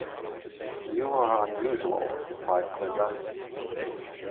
"You are unusual," replied Glinda.